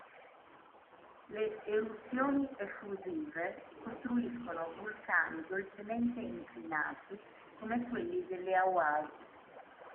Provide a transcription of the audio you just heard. Le eruzioni effusive costruiscono vulcani dolcemente inclinati come quelli delle Hawaii